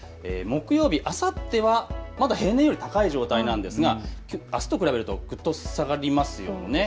木曜日、あさってはまだ平年より高い状態なんですが、あすと比べるとぐっと下がりますよね。